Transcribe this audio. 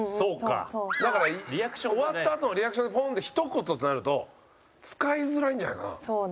だから終わったあとのリアクションでポンってひと言となると使いづらいんじゃないかな。